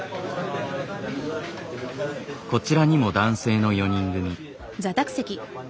こちらにも男性の４人組。